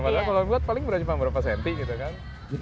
kalau buat paling berapa cm gitu kan